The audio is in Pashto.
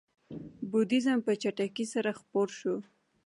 بودیزم په چټکۍ سره خپور شو.